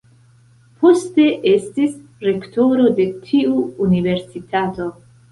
Poste estis rektoro de tiu universitato.